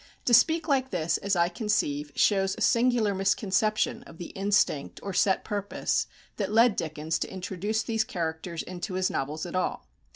To speak like this, as I conceive, shows a singular misconception of the instinct or set purpose that led Dickens to introduce these characters into his novels at all.